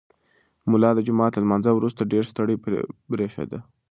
ملا د جومات له لمانځه وروسته ډېر ستړی برېښېده.